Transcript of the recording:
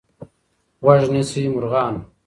غوږ نیسۍ مرغانو